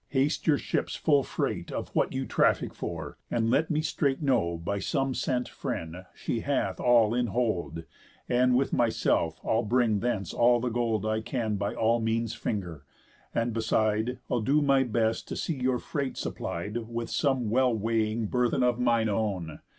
Haste your ship's full freight Of what you traffic for, and let me straight Know by some sent friend she hath all in hold, And with myself I'll bring thence all the gold I can by all means finger; and, beside, I'll do my best to see your freight supplied With some well weighing burthen of mine own.